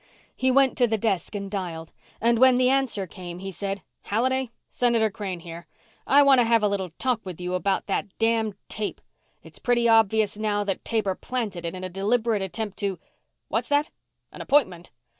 He went to the desk and dialed, and when the answer came he said, "Halliday? Senator Crane here. I want to have a little talk with you about that damned tape. It's pretty obvious now that Taber planted it in a deliberate attempt to ... What's that? An appointment!